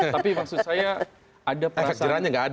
tapi maksud saya ada perasaan